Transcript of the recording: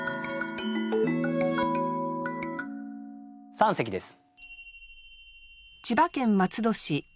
三席です。